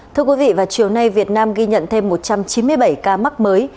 thưa quý vị vào chiều nay việt nam ghi nhận thêm một trăm chín mươi bảy ca mắc mới